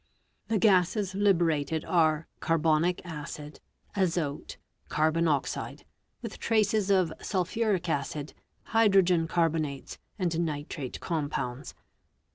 | cia The gases liberated are; carbonic acid, azote, carbon oxide, with traces of sulpuric acid, hydrogen carbonates, and nitrate compounds.